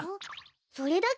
それだけ？